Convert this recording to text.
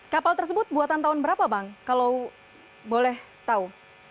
kapal tersebut buatan tahun berapa bang kalau boleh tahu